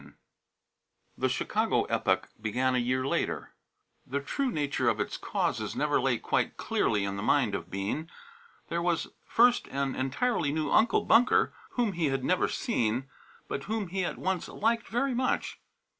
II The Chicago epoch began a year later. The true nature of its causes never lay quite clearly in the mind of Bean. There was, first, an entirely new Uncle Bunker whom he had never seen, but whom he at once liked very much.